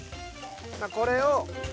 これを。